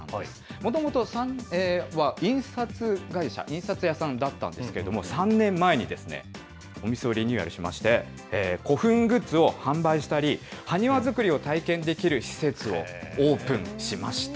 もともとは印刷会社、印刷屋さんだったんですけど、３年前にお店をリニューアルしまして、古墳グッズを販売したり、埴輪作りを体験できる施設をオープンしました。